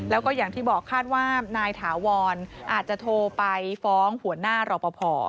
แล้วก็อย่างที่บอกคาดว่านายถาวรอาจจะโทรไปฟ้องหัวหน้ารอปภ